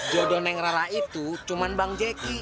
jodoh neng rara itu cuma bang jeki